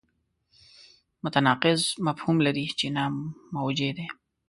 متناقض مفهوم لري چې ناموجه دی.